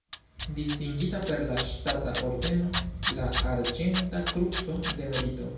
Distingita per la ŝtata ordeno la Arĝenta Kruco de Merito.